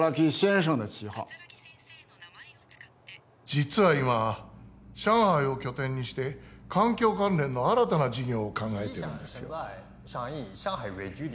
実は今上海を拠点にして環境関連の新たな事業を考えているんですよ